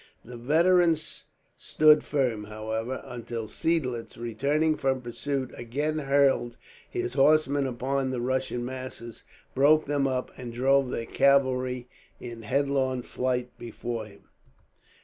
The veterans stood firm, however; until Seidlitz, returning from pursuit, again hurled his horsemen upon the Russian masses, broke them up, and drove their cavalry in headlong flight before him.